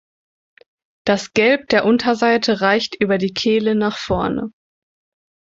Das Gelb der Unterseite reicht über die Kehle nach vorne.